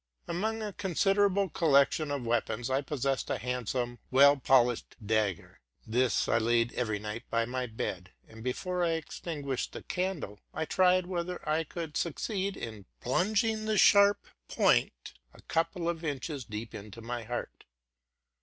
Among a consid erable collection of weapons, I possessed a handsome, well polished dagger. This I laid every night by my bed; and, before I extinguished the candle, L tried whether I could succeed in plunging the sharp point a couple of inches deep into my heart.